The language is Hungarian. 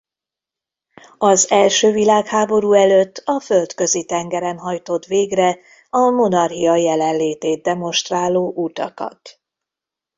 Az első világháború előtt a Földközi-tengeren hajtott végre a Monarchia jelenlétét demonstráló utakat.